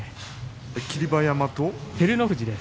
霧馬山と照ノ富士の対戦。